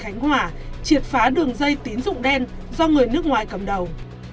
công an tp hcm triệt phá đường dây tín dụng đen do người nước ngoài cầm đầu